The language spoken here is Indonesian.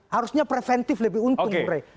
harusnya preventif lebih untung